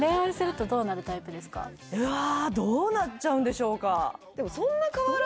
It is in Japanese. どうなっちゃうんでしょうか？